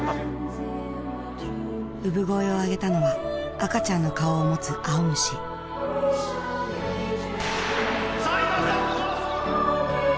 産声を上げたのは赤ちゃんの顔を持つ青虫さあ今スタート！